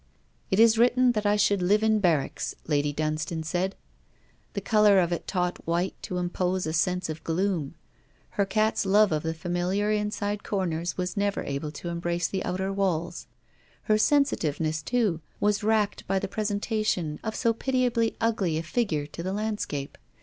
'It is written that I should live in barracks,' Lady Dunstane said. The colour of it taught white to impose a sense of gloom. Her cat's love of the familiar inside corners was never able to embrace the outer walls. Her sensitiveness, too, was racked by the presentation of so pitiably ugly a figure to the landscape.